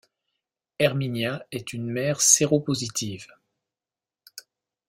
Hermínia est une mère séropositive.